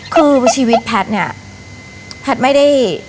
คือชีวิตแพทย์เนี่ยแพทย์ไม่ได้